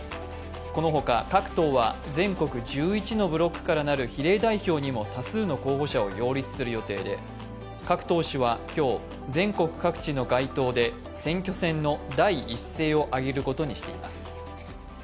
このほか各党は全国１１のブロックからなる比例代表にも多数の候補者を擁立する予定で各党首は今日、全国各地の街頭で選挙戦の第一声を上げることにしています。